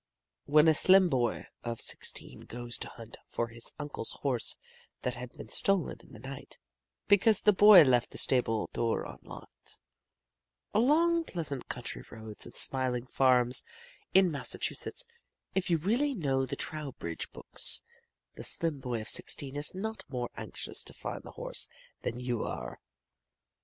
When a slim boy of sixteen goes to hunt for his uncle's horse that had been stolen in the night (because the boy left the stable door unlocked), along pleasant country roads and smiling farms in Massachusetts if you really know the Trowbridge books the slim boy of sixteen is not more anxious to find the horse than you are.